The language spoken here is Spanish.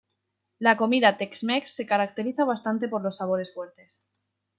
La comida Tex-Mex se caracteriza bastante por los sabores fuertes.